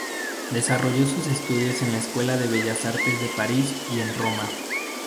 Desarrolló sus estudios en la Escuela de Bellas Artes de París y en Roma.